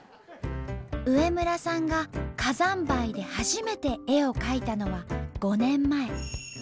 植村さんが火山灰で初めて絵を描いたのは５年前。